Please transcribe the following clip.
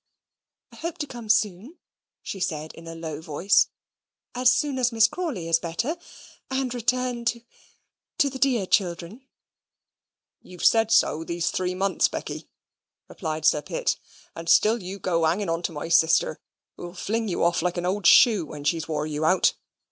"I hope to come soon," she said in a low voice, "as soon as Miss Crawley is better and return to to the dear children." "You've said so these three months, Becky," replied Sir Pitt, "and still you go hanging on to my sister, who'll fling you off like an old shoe, when she's wore you out.